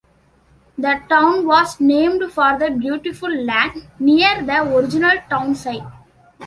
The town was named for the "beautiful land" near the original town site.